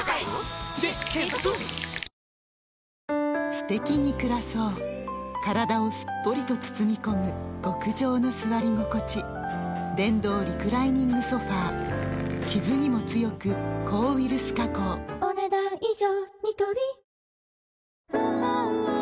すてきに暮らそう体をすっぽりと包み込む極上の座り心地電動リクライニングソファ傷にも強く抗ウイルス加工お、ねだん以上。